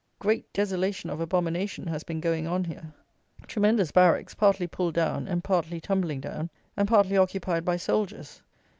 Great desolation of abomination has been going on here; tremendous barracks, partly pulled down and partly tumbling down, and partly occupied by soldiers.